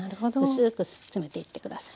薄く詰めていって下さい。